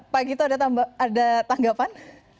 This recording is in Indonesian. pak gita ada tanggapan